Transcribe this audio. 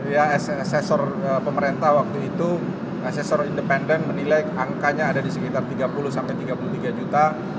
jadi asesor pemerintah waktu itu asesor independen menilai angkanya ada di sekitar tiga puluh tiga puluh tiga juta